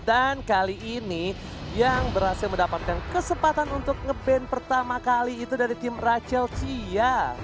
dan kali ini yang berhasil mendapatkan kesempatan untuk nge ban pertama kali itu dari tim rachel tiaw